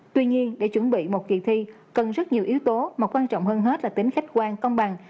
tuy nhiên để chuẩn bị một kỳ thi cần rất nhiều yếu tố mà quan trọng hơn hết là tính khách quan công bằng